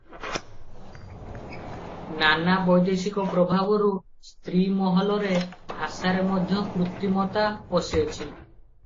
ନାନା ବୈଦେଶିକ ପ୍ରଭାବରୁ ସ୍ତ୍ରୀମହଲରେ ଭାଷାରେ ମଧ୍ୟ କୃତ୍ରିମତା ପଶିଅଛି ।